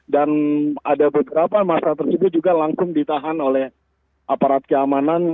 dan ada beberapa masa tersebut juga langsung ditahan oleh aparat keamanan